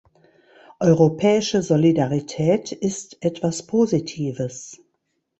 Europäische Solidarität ist etwas Positives.